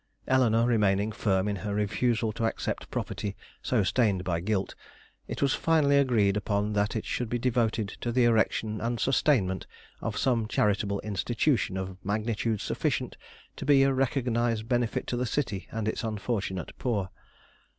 Eleanore, remaining firm in her refusal to accept property so stained by guilt, it was finally agreed upon that it should be devoted to the erection and sustainment of some charitable institution of magnitude sufficient to be a recognized benefit to the city and its unfortunate poor.